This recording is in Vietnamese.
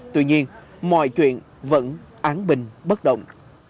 tuy nhiên mọi chuyện vẫn án bình bất đồng